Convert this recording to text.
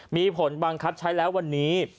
มีผลบังคับใช้แล้ววันนี้